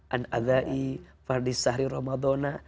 an'azai fardis sahri ramadhana